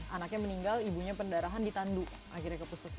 anaknya meninggal ibunya pendarahan di tandu akhirnya ke puskesmas tujuh belas kilo